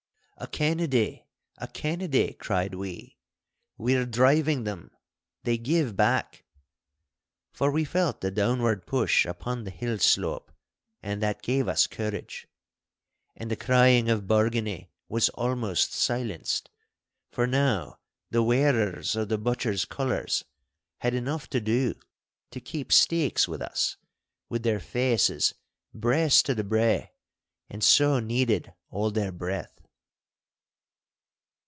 'A Kennedy! a Kennedy!' cried we. 'We are driving them. They give back!' For we felt the downward push upon the hillslope, and that gave us courage. And the crying of 'Bargany' was almost silenced, for now the wearers of the butcher's colours had enough to do to keep steeks with us, with their faces braced to the brae, and so needed all their breath.